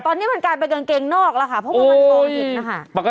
ตอนนี้มันกลายเป็นกางเกงนอกแล้วค่ะเพราะว่ามันมองเห็นนะคะ